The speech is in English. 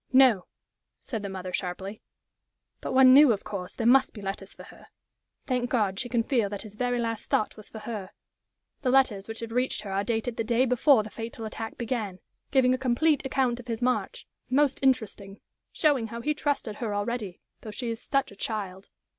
"No!" said the mother, sharply. "But one knew, of course, there must be letters for her. Thank God, she can feel that his very last thought was for her! The letters which have reached her are dated the day before the fatal attack began giving a complete account of his march most interesting showing how he trusted her already though she is such a child.